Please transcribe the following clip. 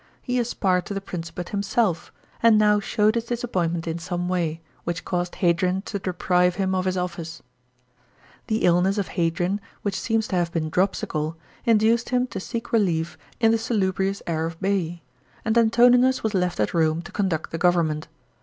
He aspired to the Pnncipate himself, and now showed his disappointment in some way, which caused Hadrian to deprive him of his office. § 30. The illness of Hadrian, which seems to have been dropsical, induced him to seek relief in the salubrious air of Ba'se, and Anto ninus was left at Rome to conduct the government.